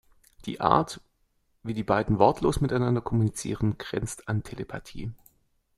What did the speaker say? Die Art, wie die beiden wortlos miteinander kommunizieren, grenzt an Telepathie.